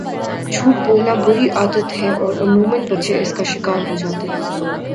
جھوٹ بولنا بُری عادت ہے اور عموماً بچے اس کا شکار ہوجاتے ہیں